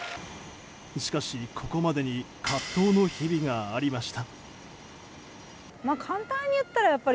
しかし、ここまでに葛藤の日々がありました。